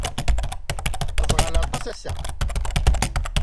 D aẓɣal aṭas ass-a.